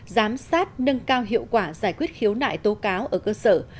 giám sát nâng cao hiệu quả giải quyết khiếu nại tố cáo ở cơ sở